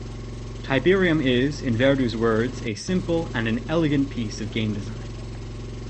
Tiberium, is, in Verdu's words, a "simple" and an "elegant" piece of game design.